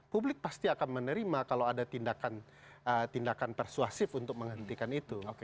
publik pasti akan menerima kalau ada tindakan persuasif untuk menghentikan itu